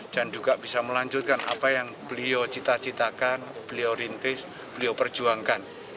dan juga bisa melanjutkan apa yang beliau cita citakan beliau rintis beliau perjuangkan